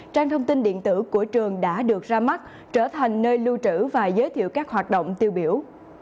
trang thông tin điện tử của trường đã được ra mắt trở thành nơi lưu trữ và giới thiệu các hoạt động tiêu biểu